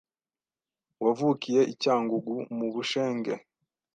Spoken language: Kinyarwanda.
wavukiye I Cyangugu mu Bushenge